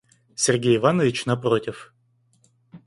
Сергей Иванович напротив.